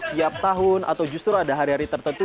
setiap hari setiap tahun atau justru ada hari hari tertentu